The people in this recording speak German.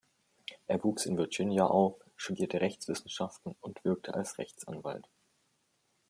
Er wuchs in Virginia auf, studierte Rechtswissenschaften und wirkte als Rechtsanwalt.